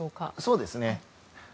そうですね。